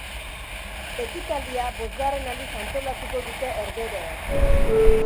Ekitaldia bosgarren aldiz antolatuko dute Herbehereek.